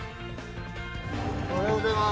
おはようございます。